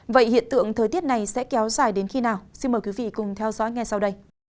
vậy hiện tượng thời tiết này sẽ kéo dài đến khi nào xin mời quý vị cùng theo dõi ngay sau đây